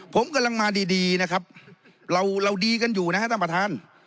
ผมกำลังมาดีดีนะครับเราดีกันอยู่นะฮะท่านประธาน